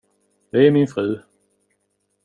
Det är min fru.